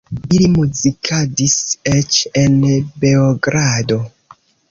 Ili muzikadis eĉ en Beogrado.